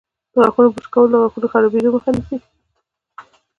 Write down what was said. د غاښونو برش کول د غاښونو خرابیدو مخه نیسي.